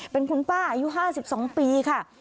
เป็นคุณป้าอายุ๕๒ปีค่ะ